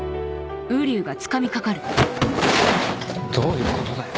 どういうことだよ。